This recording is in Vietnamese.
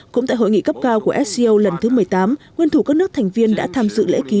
cũng tại hội nghị cấp cao của sco lần thứ một mươi tám nguyên thủ các nước thành viên đã tham dự lễ ký